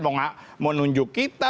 mau nunjuk kita